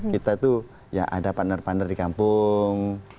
kita itu ya ada partner partner di kampung